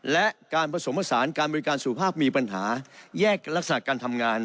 และการผสมผสานการบริการสุขภาพมีปัญหาแยกลักษณะการทำงาน